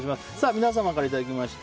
皆様からいただきました